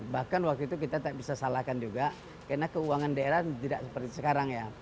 bahkan waktu itu kita tak bisa salahkan juga karena keuangan daerah tidak seperti sekarang ya